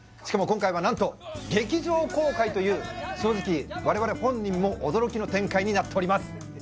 しかも今回は何と劇場公開という正直我々本人も驚きの展開になっております